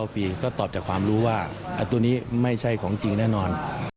๙ปีก็ตอบจากความรู้ว่าตัวนี้ไม่ใช่ของจริงแน่นอน